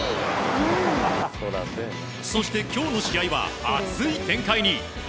そして、今日の試合は熱い展開に。